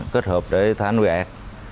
kết hợp để thả nuôi artemia